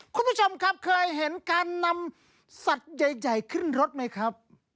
คุณผู้ชมครับเคยเห็นการนำสัตว์ใหญ่ขึ้นรถไหมครับ